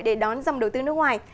để đón dòng đầu tư nước ngoài